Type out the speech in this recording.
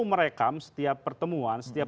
merekam setiap pertemuan setiap